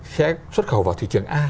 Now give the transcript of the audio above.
sẽ xuất khẩu vào thị trường a